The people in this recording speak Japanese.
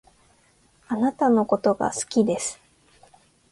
あなたのことが好きです